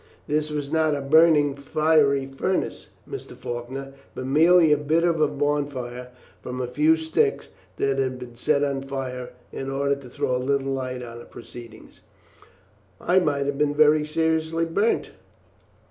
This was not a burning fiery furnace, Mr. Faulkner, but merely a bit of a bonfire from a few sticks that had been set on fire in order to throw a little light on the proceedings." "I might have been very seriously burnt."